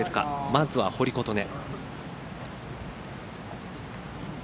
まずは堀琴音。